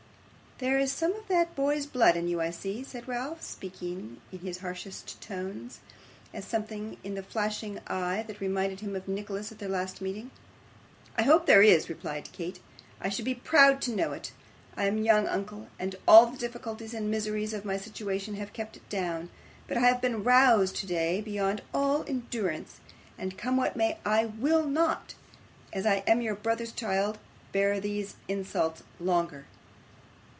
'There is some of that boy's blood in you, I see,' said Ralph, speaking in his harshest tones, as something in the flashing eye reminded him of Nicholas at their last meeting. 'I hope there is!' replied Kate. 'I should be proud to know it. I am young, uncle, and all the difficulties and miseries of my situation have kept it down, but I have been roused today beyond all endurance, and come what may, I WILL NOT, as I am your brother's child, bear these insults longer.